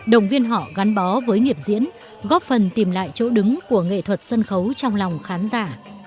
động viên họ gắn bó với nghiệp diễn góp phần tìm lại chỗ đứng của nghệ thuật sân khấu trong lòng khán giả